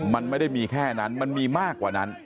มันไม่ได้มีแค่นั้นมันมีมากกว่านั้น